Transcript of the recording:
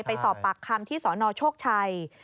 ไปสอบปากคำที่สนโชคชัย